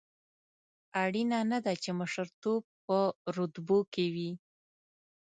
اړینه نه ده چې مشرتوب په رتبو کې وي.